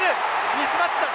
ミスマッチだ！